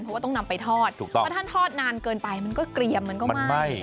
เพราะว่าต้องนำไปทอดถ้าทอดนานเกินไปมันก็เกรียมมันก็ไหม้